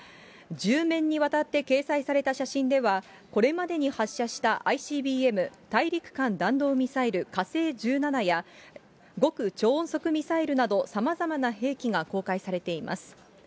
１０面にわたって掲載された写真では、これまでに発射したＩＣＢＭ・大陸間弾道ミサイル火星１７や、極超音速ミサイルなど、さまざまな兵器が公開されています。